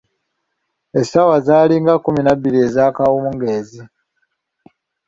Essaawa zaalinga kkuminabbiri ez'akawungeezi.